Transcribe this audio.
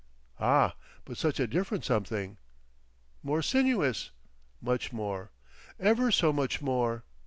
"Ah! But such a different something!" "More sinuous." "Much more." "Ever so much more."